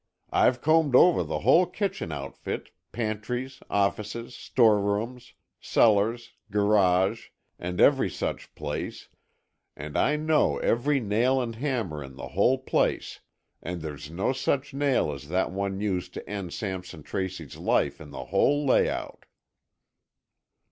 I've combed over the whole kitchen outfit, pantries, offices, storerooms, cellars, garage and every such place, and I know every nail and hammer in the whole place. And there's no such nail as that one used to end Sampson Tracy's life in the whole layout."